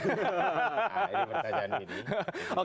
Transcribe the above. nah ini pertanyaan ini